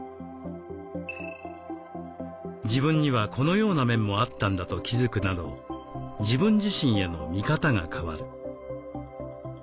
自分にはこのような面もあったんだと気付くなど自分自身への見方が変わる。